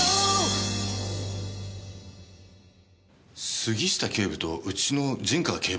杉下警部とうちの陣川警部補が？